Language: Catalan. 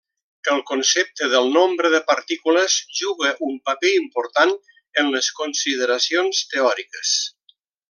El concepte del nombre de partícules juga un paper important en les consideracions teòriques.